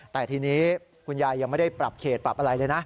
แต่ทีนี้คุณยายยังไม่ได้ปรับเขตปรับอะไรเลยนะ